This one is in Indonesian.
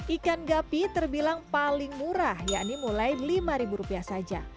ikan gapi terbilang paling murah yakni mulai rp lima saja